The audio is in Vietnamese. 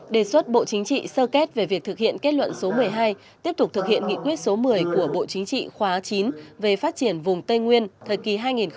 đề xuất bộ chính trị sơ kết về việc thực hiện kết luận số một mươi hai tiếp tục thực hiện nghị quyết số một mươi của bộ chính trị khóa chín về phát triển vùng tây nguyên thời kỳ hai nghìn một mươi một hai nghìn hai mươi